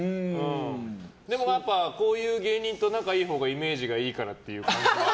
でもやっぱりこういう芸人と仲いいほうがイメージがいいからっていう感じですか？